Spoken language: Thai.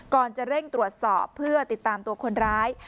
ก่อนจะเร่งตรวจสอบเพื่อติดตามตัวคนร้าย